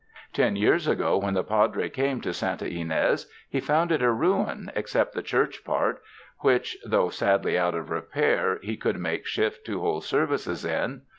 Ten years ago when the Padre came to Santa Ynes, he found it a ruin except the church part, which though sadly out of repair, he could make shift to hold services in.